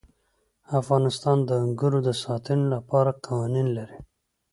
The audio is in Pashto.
افغانستان د انګورو د ساتنې لپاره قوانین لري.